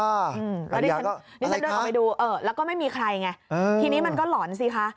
อารยาก็อะไรคะแล้วก็ไม่มีใครไงทีนี้มันก็หล่อนสิคะ